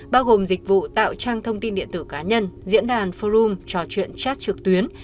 bao gồm dịch vụ tạo trang thông tin điện tử cá nhân diễn đàn forum trò chuyện chat trực tuyến